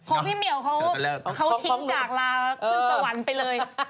พี่เหมียวเขาทิ้งจากลาขึ้นสวรรค์ไปเลย